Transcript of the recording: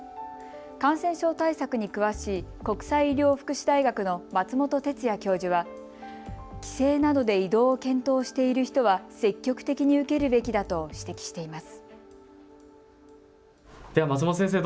感染症対策に詳しい国際医療福祉大学の松本哲哉教授は帰省などで移動を検討している人は積極的に受けるべきだと指摘しています。